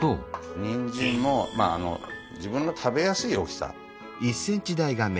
にんじんもまあ自分の食べやすい大きさ。